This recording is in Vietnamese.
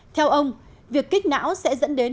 theo ông việc kích não sẽ dẫn đến